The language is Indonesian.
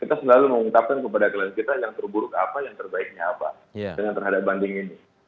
kita selalu mengungkapkan kepada klien kita yang terburuk apa yang terbaiknya apa dengan terhadap banding ini